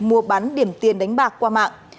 mua bán điểm tiền đánh bạc qua mạng